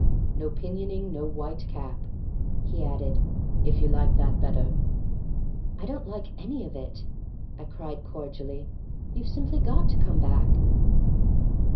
"No pinioning, no white cap," he added, "if you like that better." "I don't like any of it," I cried, cordially; "you've simply got to come back."